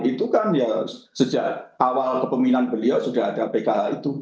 itu kan ya sejak awal kepemimpinan beliau sudah ada pkh itu